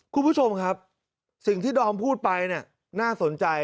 คุณผู้ชมครับสิ่งที่ดอมพูดไปเนี่ยน่าสนใจ